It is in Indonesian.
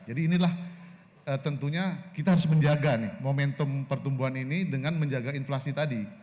jadi inilah tentunya kita harus menjaga nih momentum pertumbuhan ini dengan menjaga inflasi tadi